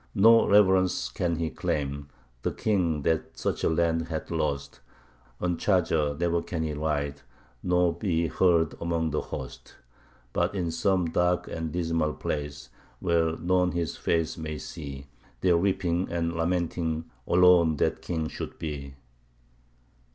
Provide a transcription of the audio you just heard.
No reverence can he claim the king that such a land hath lost On charger never can he ride, nor be heard among the host; But in some dark and dismal place, where none his face may see, There weeping and lamenting, alone that king should be.